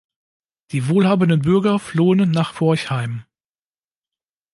Die wohlhabenden Bürger flohen nach Forchheim.